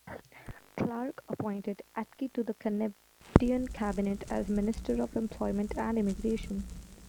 Clark appointed Atkey to the Canadian Cabinet as Minister of Employment and Immigration.